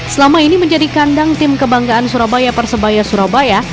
selama ini menjadi kandang tim kebanggaan surabaya persebaya surabaya